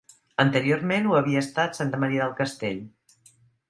Anteriorment ho havia estat santa Maria del castell.